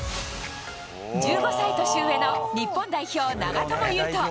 １５歳年上の日本代表、長友佑都。